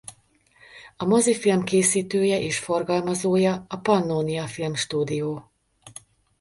A mozifilm készítője és forgalmazója a Pannónia Filmstúdió.